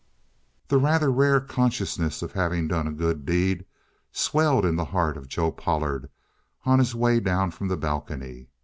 The rather rare consciousness of having done a good deed swelled in the heart of Joe Pollard on his way down from the balcony.